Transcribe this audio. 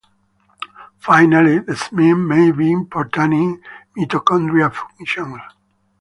Finally, desmin may be important in mitochondria function.